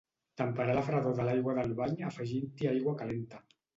Temperar la fredor de l'aigua del bany afegint-hi aigua calenta.